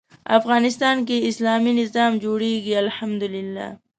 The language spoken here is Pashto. افغانستان کې اسلامي نظام جوړېږي الحمد لله.